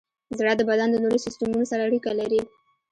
زړه د بدن د نورو سیستمونو سره اړیکه لري.